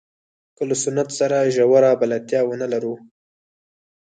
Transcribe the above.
که له سنت سره ژوره بلدتیا ونه لرو.